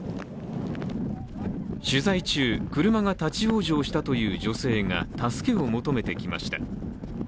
取材中、車が立往生したという女性が助けを求めてきました。